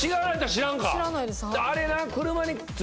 知らないです。